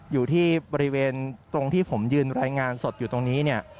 อยู่ที่บริเวณตรงที่ผมยืนรายงานสดอยู่ตรงนี้เนี่ย